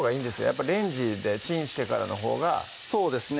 やっぱレンジでチンしてからのほうがそうですね